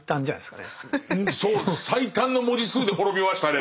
そう最短の文字数で滅びましたね